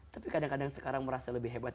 tapi kadang kadang sekarang merasa lebih hebat